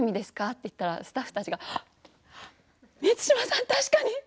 と言ったらスタッフたちが満島さん確かに！